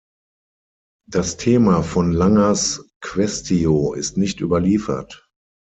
Das Thema von Langers Quaestio ist nicht überliefert.